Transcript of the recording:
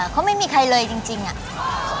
เขาไม่มีใครเลยจริงอะ